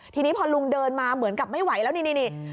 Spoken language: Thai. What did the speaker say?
ทีนี้พอลุงเดินมาเหมือนกับไม่ไหวแล้วนี่